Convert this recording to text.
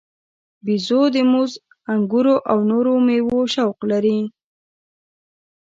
بیزو د موز، انګورو او نورو میوو شوق لري.